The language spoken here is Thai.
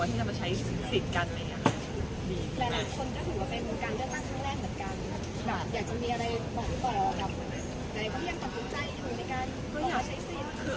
ที่จะมาใช้สิทธิ์กันดีมาก